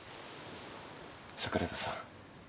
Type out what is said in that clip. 桜田さん